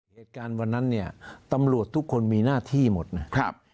เหตุการณ์วันนั้นเนี่ยตำรวจทุกคนมีหน้าที่หมดนะครับ